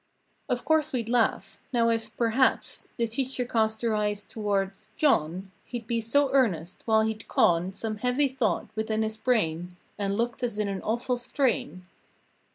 233 Of course weM laugh. Now if, perhaps The teacher cast her eyes towards, John He'd be so earnest, while he'd con Some heavy thought within his brain And looked as in an awful strain.